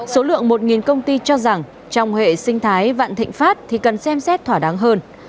số lượng một công ty cho rằng trong hệ sinh thái vạn thịnh pháp thì cần xem xét thỏa đáng hơn